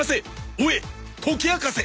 追え！解き明かせ！